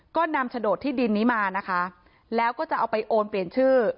ก็นำโฉนดที่ดินนี้มานะคะแล้วก็จะเอาไปโอนเปลี่ยนชื่อ